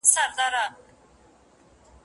چي زه هم لکه بوډا ورته ګویا سم